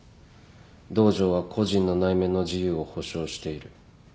同条は個人の内面の自由を保障している。